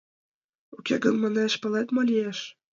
Уке гын, манеш, палет, мо лиеш?